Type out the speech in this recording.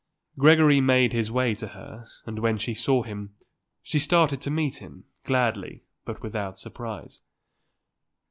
Gregory made his way to her and when she saw him she started to meet him, gladly, but without surprise.